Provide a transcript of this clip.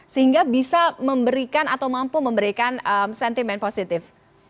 sehingga bisa memberikan atau mampu memberikan sentimen positif